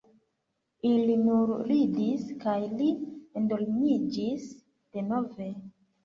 Ili nur ridis, kaj li endormiĝis denove.